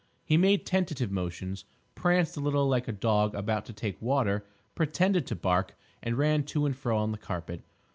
He made tentative motions, pranced a little like a dog about to take to water, pretended to bark, and ran to and fro on the carpet.